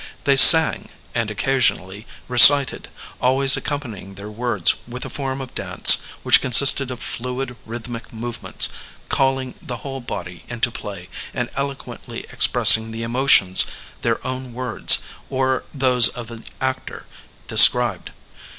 They sang, and, occasionally, re cited, always accompanying their words with a form of dance which consisted of fluid, rhythmic move ments calling the whole body into play and eloquently expressing the emotions their own words, or those of the actor, described.